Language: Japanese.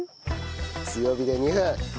強火で２分。